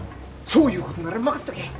そういうことなら任せとけ。